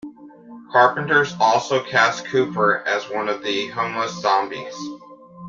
Carpenter also cast Cooper as one of the homeless zombies.